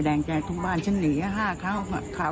ชอบแดงแจกทุกบ้านฉันหนีร่าก่ะ